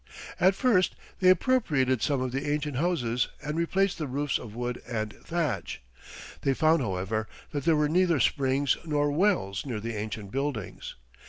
At first they appropriated some of the ancient houses and replaced the roofs of wood and thatch. They found, however, that there were neither springs nor wells near the ancient buildings.